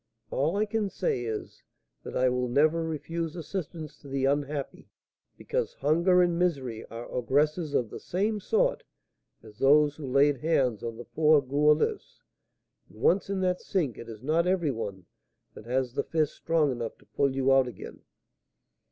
All I can say is, that I will never refuse assistance to the unhappy; because Hunger and Misery are ogresses of the same sort as those who laid hands on the poor Goualeuse; and, once in that sink, it is not every one that has the fist strong enough to pull you out again."